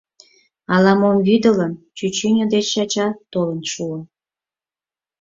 Ала-мом вӱдылын, чӱчӱньӧ деч ача толын шуо.